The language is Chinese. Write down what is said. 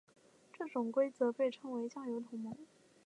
这种规则被称为酱油同盟。